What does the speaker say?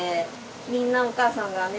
みんなお母さんがね